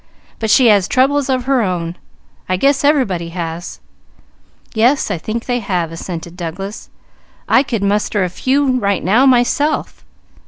But she has troubles of her own. I guess everybody has." "Yes, I think they have," assented Douglas. "I could muster a few right now, myself."